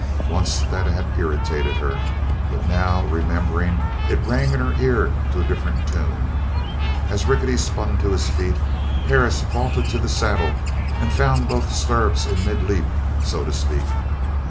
Once that had irritated her but now, remembering, it rang in her ear to a different tune. As Rickety spun to his feet, Perris vaulted to the saddle and found both stirrups in mid leap, so to speak.